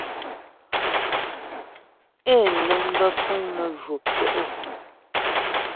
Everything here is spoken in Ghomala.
Ě nəŋ bə kùŋ nə jwɔ̀p tə’o.